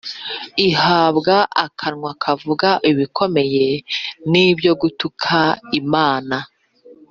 Ihabwa akanwa kavuga ibikomeye n’ibyo gutuka Imana,